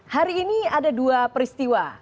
hari ini ada dua peristiwa